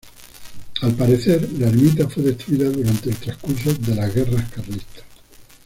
Al parecer la ermita fue destruida durante el transcurso de las guerras carlistas.